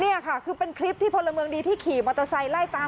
นี่ค่ะคือเป็นคลิปที่พลเมืองดีที่ขี่มอเตอร์ไซค์ไล่ตาม